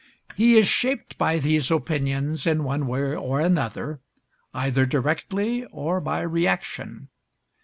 He is shaped by these opinions in one way or another, either directly or by reaction.